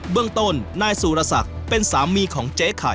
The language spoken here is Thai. เรื่องต้นนายสุรศักดิ์เป็นสามีของเจ๊ไข่